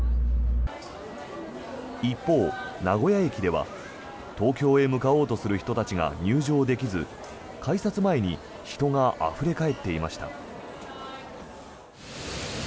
一方、名古屋駅では東京へ向かおうとする人たちが入場できず、改札前に人があふれ返っていました。